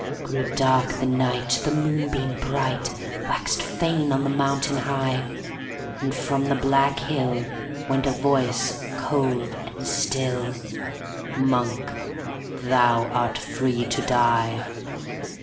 9. Grew dark the night; The moonbeam bright Waxed faint on the mountain high; And, from the black hill, _50 Went a voice cold and still, 'Monk! thou art free to die.'